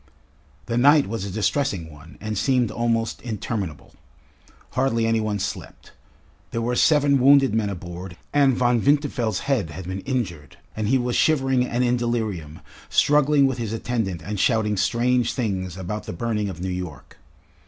The night was a distressing one and seemed almost interminable. Hardly any one slept. There were seven wounded men aboard, and Von Winterfeld's head had been injured, and he was shivering and in delirium, struggling with his attendant and shouting strange things about the burning of New York.